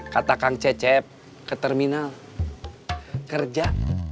kata kang cecep ke terminal kerja